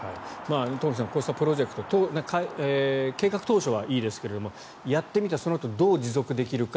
東輝さんこうしたプロジェクト計画当初はいいですけどやってみて、そのあとどう持続できるか。